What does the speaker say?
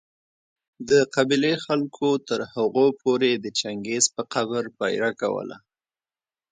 د قبېلې خلکو تر هغو پوري د چنګېز په قبر پهره کوله